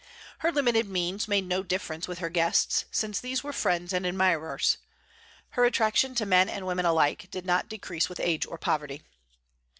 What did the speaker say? Her limited means made no difference with her guests, since these were friends and admirers. Her attraction to men and women alike did not decrease with age or poverty.